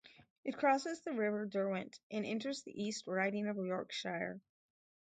It crosses the River Derwent and enters the East Riding of Yorkshire.